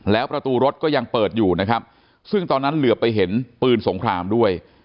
แล้วประตูรถก็ยังเปิดอยู่นะครับซึ่งตอนนั้นเหลือไปเห็นปืนสงครามด้วย